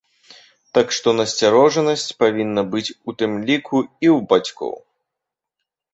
Так што насцярожанасць павінна быць у тым ліку і ў бацькоў.